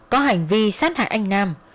có hành vi sát hại anh nam